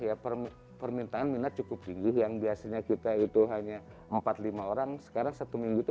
ya permintaan minat cukup tinggi yang biasanya kita itu hanya empat lima orang sekarang satu minggu itu